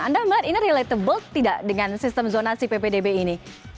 anda melihat ini relatable tidak dengan sistem zonasi ppdb ini